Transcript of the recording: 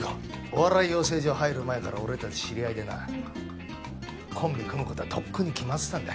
お笑い養成所入る前から俺たち知り合いでなコンビ組む事はとっくに決まってたんだ。